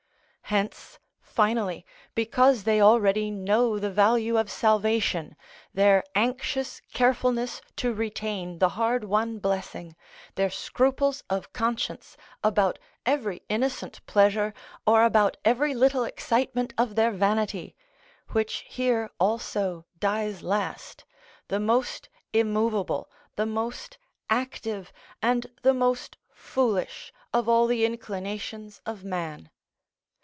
Hence, finally, because they already know the value of salvation, their anxious carefulness to retain the hard won blessing, their scruples of conscience about every innocent pleasure, or about every little excitement of their vanity, which here also dies last, the most immovable, the most active, and the most foolish of all the inclinations of man.